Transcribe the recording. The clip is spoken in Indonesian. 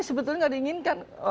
sebetulnya tidak diinginkan